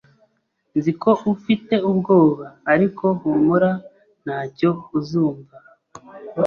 Nzi ko ufite ubwoba, ariko humura, ntacyo uzumva.